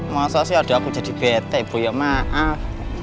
masa sih ada aku jadi bete bu ya maaf